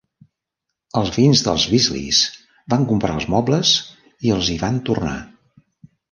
Els veïns dels Beasleys van comprar els mobles i els hi van tornar.